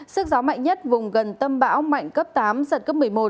sức gió mạnh nhất vùng gần tâm bão mạnh cấp tám giật cấp một mươi một